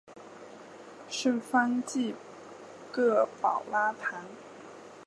圣方济各保拉堂。